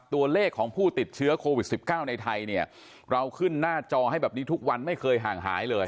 ตัวเลขของผู้ติดเชื้อโควิด๑๙ในไทยเนี่ยเราขึ้นหน้าจอให้แบบนี้ทุกวันไม่เคยห่างหายเลย